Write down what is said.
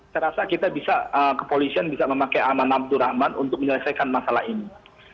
saya rasa kita bisa kepolisian bisa memakai aman abdurrahman untuk menyelesaikan masalah ini